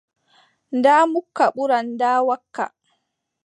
Ndaa mukka ɓuran ndaa wakka.